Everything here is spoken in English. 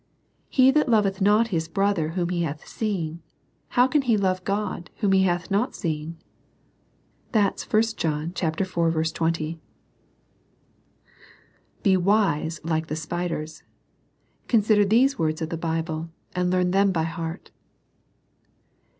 He that loveth not his brother whom he hath seen, how can he love God, whom he hath not seen?" (i John iv. 20.) Be wise, like the spiders. Consider these words of the Bible, and learn them by heart.